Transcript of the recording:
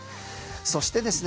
そしてですね